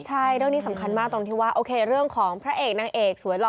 ใช่เรื่องนี้สำคัญมากตรงที่ว่าโอเคเรื่องของพระเอกนางเอกสวยหล่อ